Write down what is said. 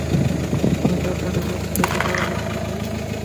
তুমি তার সাথে প্যারিসে যেতে পারোনা, কিজি।